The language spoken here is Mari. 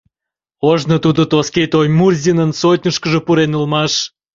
Ожно тудо Тоскей Тоймурзинын сотньышкыжо пурен улмаш.